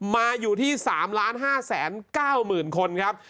มาอยู่ที่สามล้านห้าแสนเก้าหมื่นคนครับ